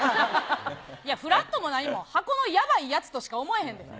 いや、フラットも何も、箱のやばいやつとしか思えへんで。